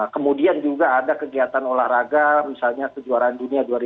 kemudian juga ada kegiatan olahraga misalnya kejuaraan dunia dua ribu dua puluh